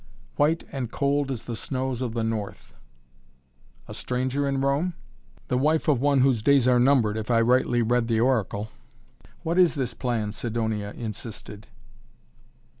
"White and cold as the snows of the North." "A stranger in Rome?" "The wife of one whose days are numbered, if I rightly read the oracle." "What is this plan?" Sidonia insisted.